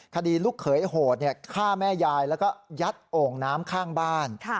ลูกเขยโหดฆ่าแม่ยายแล้วก็ยัดโอ่งน้ำข้างบ้าน